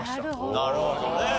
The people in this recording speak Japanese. なるほどね。